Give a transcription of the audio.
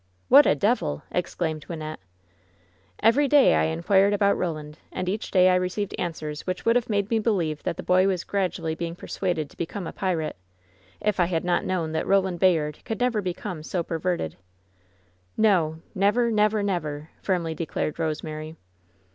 "What a devil !" exclaimed Wynnette. "Every day I inquired about Roland, and each day I received answers which would have made me believe tiat the boy was gradually being persuaded to become a pi rate — if I had not known that Roland Bayard could never become so perverted." "No, never, never, never!" firmly declared Rosemary.